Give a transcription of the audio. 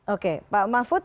oke pak mahfud